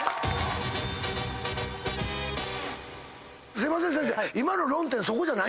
すいません先生。